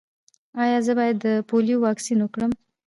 ایا زه باید د پولیو واکسین وکړم؟